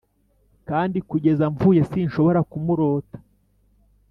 kandi kugeza mpfuye sinshobora kumurota.